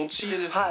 はい。